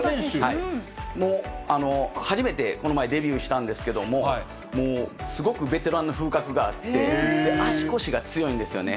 もう初めて、この前、デビューしたんですけども、もうすごくベテランの風格があって、足腰が強いんですよね。